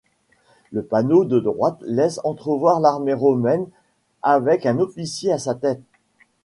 Le panneau de droite laisse entrevoir l’armée romaine avec un officier à sa tête.